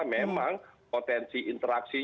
memang potensi interaksi